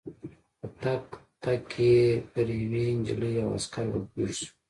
په تګ تګ کې پر یوې نجلۍ او عسکر ور پېښ شوو.